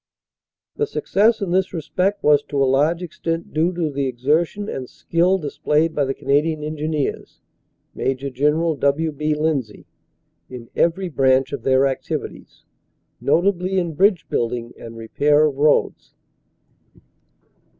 The success in this respect was to a large extent due to the exertion and skill displayed by the Canadian Engineers (Major General W. B. Lindsay) in every branch of their activities, notably in bridge building and repair of roads."